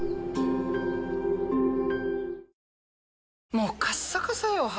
もうカッサカサよ肌。